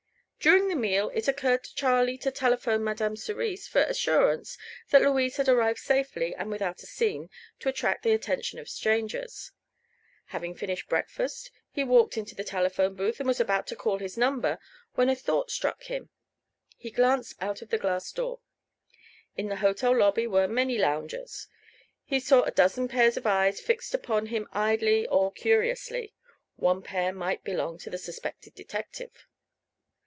During the meal it occurred to Charlie to telephone to Madame Cerise for assurance that Louise had arrived safely and without a scene to attract the attention of strangers. Having finished breakfast he walked into the telephone booth and was about to call his number when a thought struck him. He glanced out of the glass door. In the hotel lobby were many loungers. He saw a dozen pairs of eyes fixed upon him idly or curiously; one pair might belong to the suspected detective.